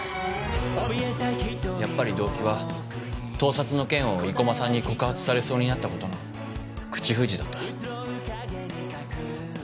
やっぱり動機は盗撮の件を生駒さんに告発されそうになったことの口封じだった。